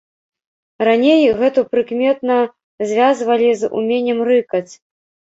Раней гэту прыкмета звязвалі з уменнем рыкаць.